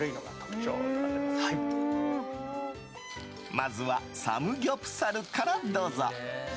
まずは、サムギョプサルからどうぞ。